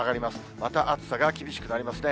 また暑さが厳しくなりますね。